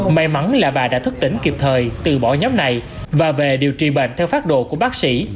may mắn là bà đã thức tỉnh kịp thời từ bỏ nhóm này và về điều trị bệnh theo phát độ của bác sĩ